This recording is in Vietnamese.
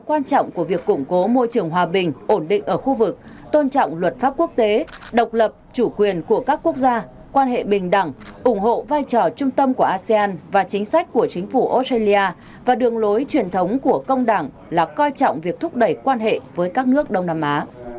quan trọng của việc củng cố môi trường hòa bình ổn định ở khu vực tôn trọng luật pháp quốc tế độc lập chủ quyền của các quốc gia quan hệ bình đẳng ủng hộ vai trò trung tâm của asean và chính sách của chính phủ australia và đường lối truyền thống của công đảng là coi trọng việc thúc đẩy quan hệ với các nước đông nam á